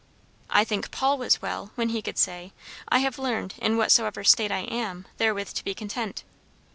"I think Paul was 'well' when he could say, 'I have learned, in whatsoever state I am, therewith to be content.'"